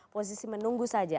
posisi menunggu saja